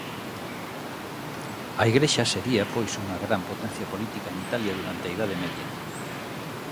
A Igrexa sería pois unha gran potencia política en Italia durante a Idade Media.